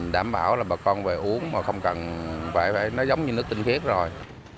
đảm bảo là bà con phải uống mà không cần phải nói giống như nước tinh khiết rồi